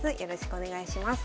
お願いします。